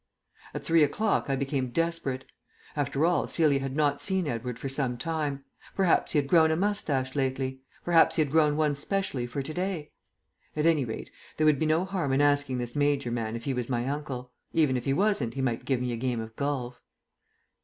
At three o'clock I became desperate. After all, Celia had not seen Edward for some time. Perhaps he had grown a moustache lately; perhaps he had grown one specially for to day. At any rate there would be no harm in asking this major man if he was my uncle. Even if he wasn't he might give me a game of golf.